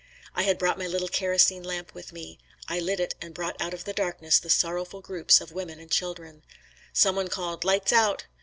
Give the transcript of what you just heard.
I had brought my little kerosene lamp with me. I lit it and brought out of the darkness the sorrowful groups of women and children. Some one called "Lights out."